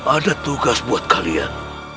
ada tugas buat kalian